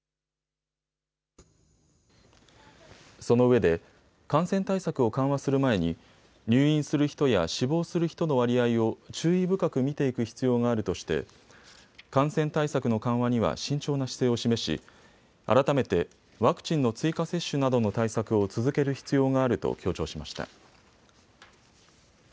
そのうえで感染対策を緩和する前に入院する人や死亡する人の割合を注意深く見ていく必要があるとして感染対策の緩和には慎重な姿勢を示し改めてワクチンの追加接種などの対策を続ける必要があると強調しました。